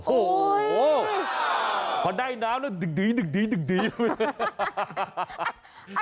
โอ้โหพอได้น้ำแล้วดึกดึกดึกดึกดึกดึก